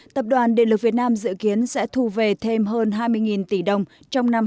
tập đoàn địa lực việt nam dự kiến sẽ thu về thêm hơn hai mươi tỷ đồng trong năm hai nghìn một mươi chín